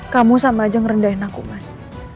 kamu sama aja ngerendahin aku mas